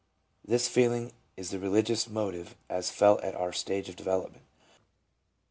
This feeling is the religious motive as feltat our stage of development.